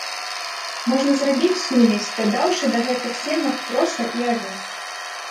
Можна зрабіць сумесь, дадаўшы да гэтых семак проса і авёс.